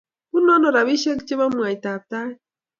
Bunuu ano robishe che bo mwaitab tait